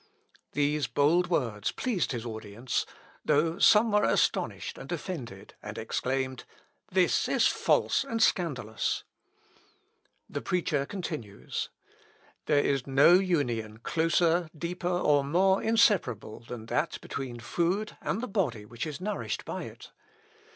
These bold words pleased his audience, though some were astonished and offended, and exclaimed, "This is false and scandalous." Ibid. p. 281. The preacher continues. "There is no union closer, deeper, or more inseparable than that between food and the body which is nourished by it.